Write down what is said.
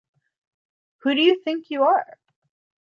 Who Do You Think You Are?